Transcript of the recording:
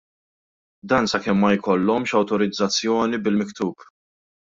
Dan sakemm ma jkollhomx awtorizzazzjoni bil-miktub.